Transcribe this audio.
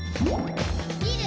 「みる！